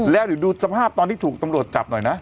แล้วเดี๋ยวดูสภาพตอนที่ถูกตำรวจจับหน่อยนะ